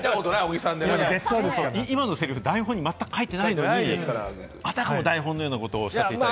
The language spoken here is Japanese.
今のせりふ、台本に全く書いてないのに、あたかも台本のようなことをおっしゃっていただいて。